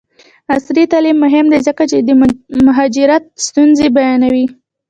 عصري تعلیم مهم دی ځکه چې د مهاجرت ستونزې بیانوي.